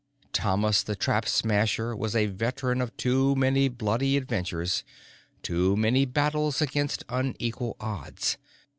Thomas the Trap Smasher was a veteran of too many bloody adventures, too many battles against unequal odds.